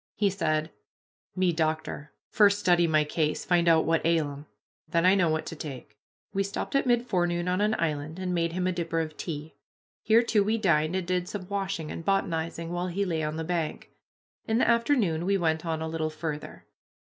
He said, "Me doctor first study my case, find out what ail 'em then I know what to take." We stopped at mid forenoon on an island and made him a dipper of tea. Here, too, we dined and did some washing and botanizing, while he lay on the bank. In the afternoon we went on a little farther.